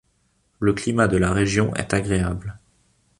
Le climat de la région est agréable.